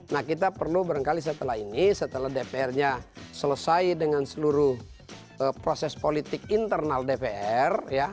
nah kita perlu barangkali setelah ini setelah dpr nya selesai dengan seluruh proses politik internal dpr